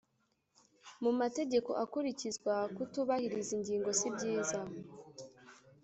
mu mategeko akurikizwa kutubahiriza ingingo si byiza